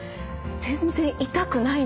全然痛くないんですよ。